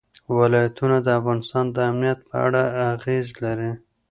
ولایتونه د افغانستان د امنیت په اړه اغېز لري.